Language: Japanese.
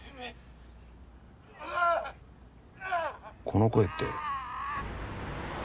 この声って。